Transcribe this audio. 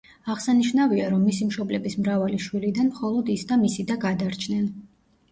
აღსანიშნავია, რომ მისი მშობლების მრავალი შვილიდან მხოლოდ ის და მისი და გადარჩნენ.